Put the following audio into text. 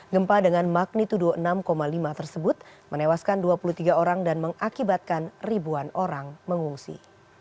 gempa dengan magnitudo enam lima tersebut menewaskan dua puluh tiga orang dan mengakibatkan ribuan orang mengungsi